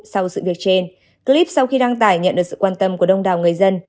sau sự việc trên clip sau khi đăng tải nhận được sự quan tâm của đông đảo người dân